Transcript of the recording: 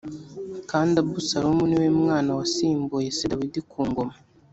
kandi abusalomu niwe mwana wasimbuye se dawidi ku ngoma